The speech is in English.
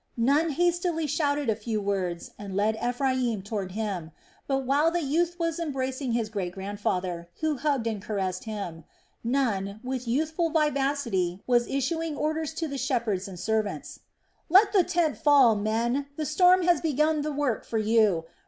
Nun hastily shouted a few words and led Ephraim toward him. But while the youth was embracing his great grandfather, who hugged and caressed him, Nun, with youthful vivacity, was issuing orders to the shepherds and servants: "Let the tent fall, men! The storm has begun the work for you!